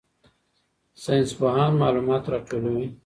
ساینسپوهان معلومات راټولوي.